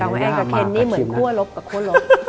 แต่ว่าแองกาเคนนี่เหมือนคั่วลบกับคั่วลบ